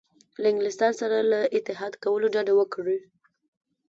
له انګلستان سره له اتحاد کولو ډډه وکړي.